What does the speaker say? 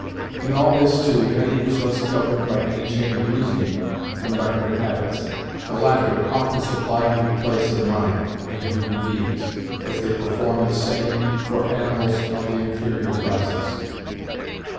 In all this, too, Hetty was less governed by any chain of reasoning than by her habits, the latter often supplying the place of mind, in human beings, as they perform the same for animals of the inferior classes.